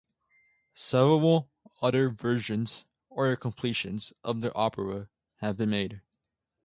Several other versions, or "completions," of the opera have been made.